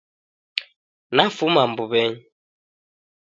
Nafuma mbuw'enyi